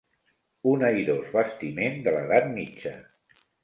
Un airós bastiment de l'edat mitja.